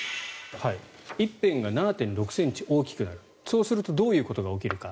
１辺が７．６ｃｍ大きくなるそうするとどういうことが起きるか。